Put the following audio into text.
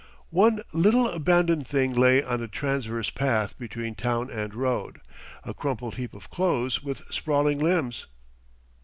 One little abandoned thing lay on a transverse path between town and road, a crumpled heap of clothes with sprawling limbs....